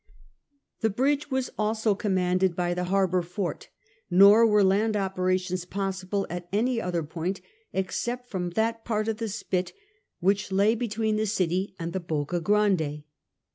This bridge was also commanded by the harbour fort, nor were land operations possible at any other point except from that part of the spit which lay between the city and the Bocca Grande.